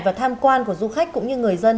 và tham quan của du khách cũng như người dân